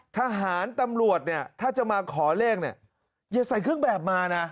ทหารตำรวจเนี่ยถ้าจะมาขอเลขเนี่ยอย่าใส่เครื่องแบบมานะ